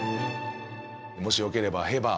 もしよければ「へば」